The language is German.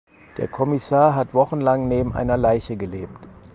Der Kommissar hat wochenlang neben einer Leiche gelebt.